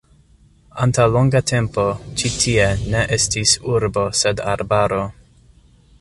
Antaŭ longa tempo ĉi tie ne estis urbo sed arbaro.